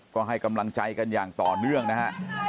ก็ให้กำลังใจกันอย่างต่อเนื่องนะฮะ